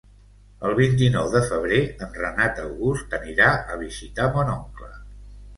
El vint-i-nou de febrer en Renat August anirà a visitar mon oncle.